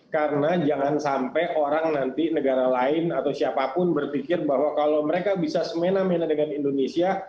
karena jangan sampai orang nanti negara lain atau siapapun berpikir bahwa kalau mereka bisa semena mena dengan indonesia